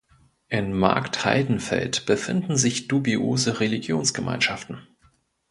In Marktheidenfeld befinden sich dubiose Religionsgemeinschaften.